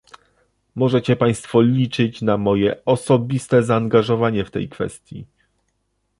Możecie państwo liczyć na moje osobiste zaangażowanie w tej kwestii